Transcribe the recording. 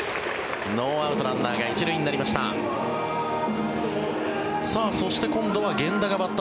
ノーアウトランナーが１塁になりました。